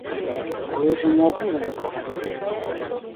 Але ж і не адны яны гаварылі.